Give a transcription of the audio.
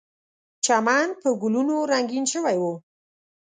چمن په ګلونو رنګین شوی و.